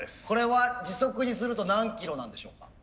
これは時速にすると何キロなんでしょうか。